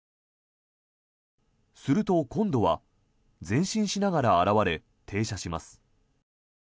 すると、今度は前進しながら現れ、停車します。